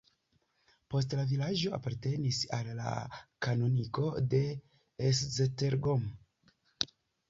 Poste la vilaĝo apartenis al kanoniko de Esztergom.